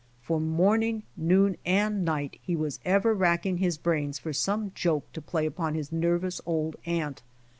For morning, noon and night he was ever racking his brains for some joke to play upon his nervous old aunt.